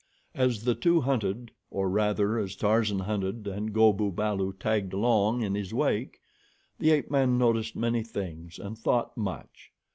As the two hunted, or rather as Tarzan hunted and Go bu balu tagged along in his wake, the ape man noticed many things and thought much.